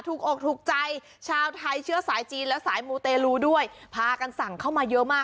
อกถูกใจชาวไทยเชื้อสายจีนและสายมูเตลูด้วยพากันสั่งเข้ามาเยอะมาก